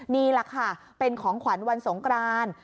นี่แหละค่ะเป็นของขวัญวันสงกราน